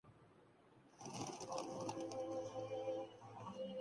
اس کیفیت کا اثر ہر چیز پہ ہوتا ہے۔